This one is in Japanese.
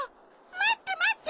まってまって！